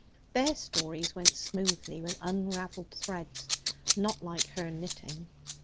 Their stories went smoothly with unravelled thread, not like her knitting.